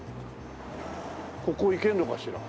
ここ行けるのかしら？